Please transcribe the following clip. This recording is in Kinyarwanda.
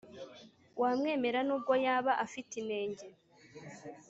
wamwemera nubwo yaba afite inenge?